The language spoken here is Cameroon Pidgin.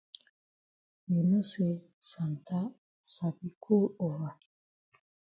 You know say Santa sabi cold over.